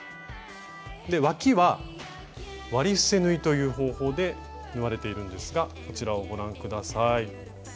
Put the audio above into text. わきは「割り伏せ縫い」という方法で縫われているんですがこちらをご覧下さい。